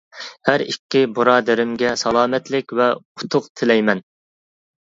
ھەر ئىككى بۇرادىرىمگە سالامەتلىك ۋە ئۇتۇق تىلەيمەن!